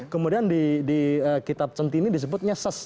kemudian di kitab centini disebutnya ses